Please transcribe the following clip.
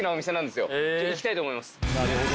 行きたいと思います。